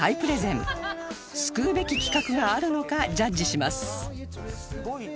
救うべき企画があるのかジャッジします